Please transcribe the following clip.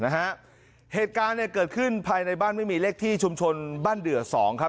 เหตุการณ์เนี่ยเกิดขึ้นภายในบ้านไม่มีเลขที่ชุมชนบ้านเดือสองครับ